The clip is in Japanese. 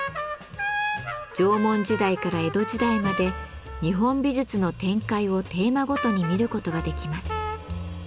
縄文時代から江戸時代まで日本美術の展開をテーマごとに見ることができます。